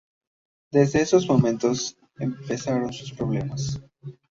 Desde esos momentos, empezaron sus problemas.